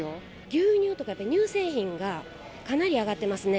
牛乳とか乳製品がかなり上がってますね。